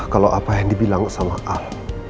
kalau apa yang dibilang sama a